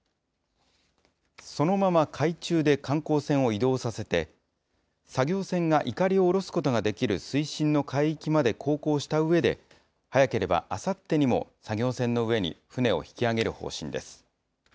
そのまま海中で観光船を移動させて、作業船がいかりを下ろすことができる水深の海域まで航行したうえで、早ければあさってにも作業船の上に船を引き揚げる方針です。